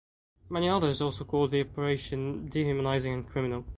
Many others also called the operation dehumanizing and criminal.